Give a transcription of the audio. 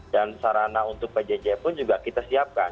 dan sarana untuk pjj pun juga kita siapkan